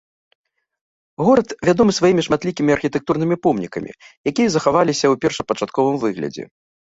Горад вядомы сваімі шматлікімі архітэктурнымі помнікамі, якія захаваліся ў першапачатковым выглядзе.